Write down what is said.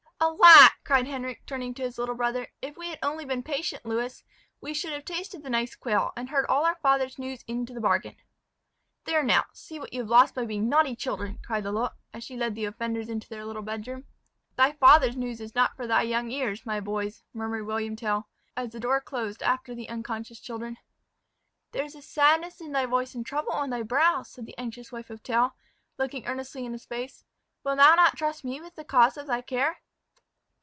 "Alack!" cried Henric turning to his little brother, "if we had only been patient, Lewis, we should have tasted the nice quail, and heard all our father's news into the bargain." "There now, see what you have lost by being naughty children," cried Lalotte, as she led the offenders into their little bedroom. "Thy father's news is not for thy young ears, my boys," murmured William Tell, as the door closed after the unconscious children. "There is a sadness in thy voice and trouble on thy brow," said the anxious wife of Tell, looking earnestly in his face. "Wilt thou not trust me with the cause of thy care?"